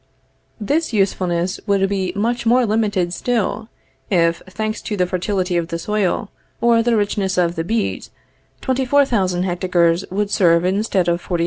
This usefulness would be much more limited still, if, thanks to the fertility of the soil, or the richness of the beet, 24,000 hectares would serve instead of 48,000.